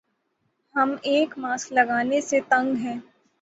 ہم ایک ماسک لگانے سے تنگ ہیں